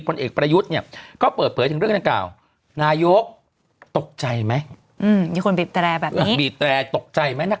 พลเอกปรยุทธ์เนี่ยก็เปิดเผยถึงเรื่องแรก่าวนายกตกใจมั้ย